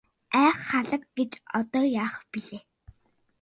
Ай халаг гэж одоо яах билээ.